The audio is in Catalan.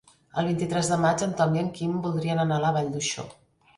El vint-i-tres de maig en Tom i en Quim voldrien anar a la Vall d'Uixó.